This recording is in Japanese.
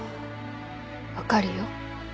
分かるよ。